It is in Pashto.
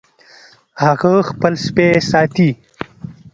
هغه خپل سپی ساتي